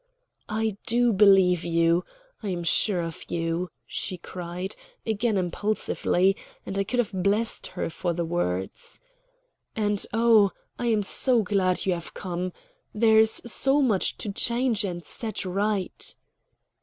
"I do believe you I am sure of you," she cried, again impulsively; and I could have blessed her for the words. "And, oh, I am so glad you have come. There is so much to change and set right."